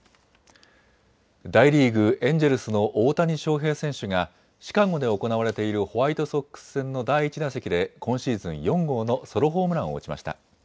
大リーグ、エンジェルスの大谷翔平選手がシカゴで行われているホワイトソックス戦の第１打席で今シーズン４号のソロホームランを打ちました。